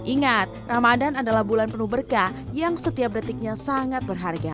ingat ramadan adalah bulan penuh berkah yang setiap detiknya sangat berharga